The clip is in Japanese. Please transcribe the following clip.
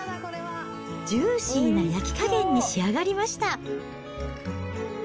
ジューシーな焼き加減に仕上がりました。